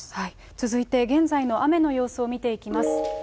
続いて現在の雨の様子を見ていきます。